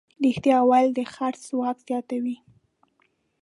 رښتیا ویل د خرڅ ځواک زیاتوي.